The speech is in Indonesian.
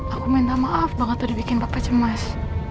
aku minta maaf banget udah dibikin papa cemas